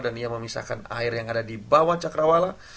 dan ia memisahkan air yang ada di bawah cakrawala